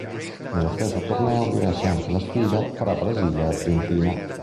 Nello stesso torneo diresse anche la sfida fra Brasile e Argentina.